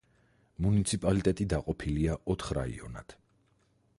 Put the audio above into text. მუნიციპალიტეტი დაყოფილია ოთხ რაიონად.